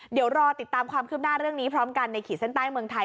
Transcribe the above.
เดี๋ยวรอติดตามความคืบหน้าเรื่องนี้พร้อมกันในขีดเส้นใต้เมืองไทย